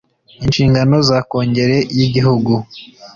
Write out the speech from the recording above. Inshingano za Kongere y Igihugu